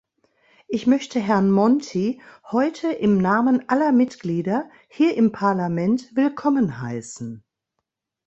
Ich möchte Herrn Monti heute im Namen aller Mitglieder hier im Parlament willkommen heißen.